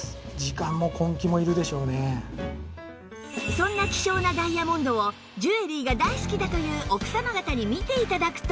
そんな希少なダイヤモンドをジュエリーが大好きだという奥様方に見て頂くと